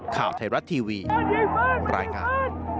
ข่าวไทยรัฐทีวีรายงาน